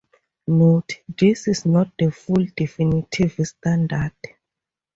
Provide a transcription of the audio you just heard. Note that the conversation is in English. Note: this is not the full definitive standard.